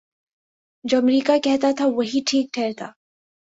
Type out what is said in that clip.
جو امریکہ کہتاتھا وہی ٹھیک ٹھہرتا۔